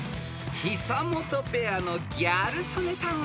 ［久本ペアのギャル曽根さん